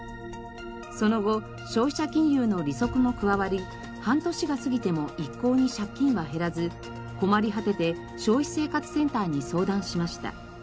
その後消費者金融の利息も加わり半年が過ぎても一向に借金は減らず困り果てて消費生活センターに相談しました。